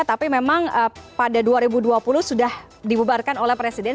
tapi memang pada dua ribu dua puluh sudah dibubarkan oleh presiden